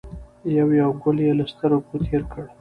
یو یو ګل یې له سترګو تېر کړ.